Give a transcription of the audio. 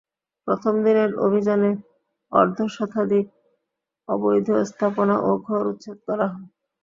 প্রথম দিনের অভিযানে অর্ধশতাধিক অবৈধ স্থাপনা ও ঘর উচ্ছেদ করা হয়।